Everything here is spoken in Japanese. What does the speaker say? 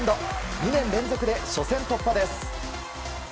２年連続で初戦突破です。